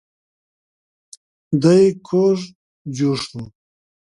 دی کوږ جوش شو.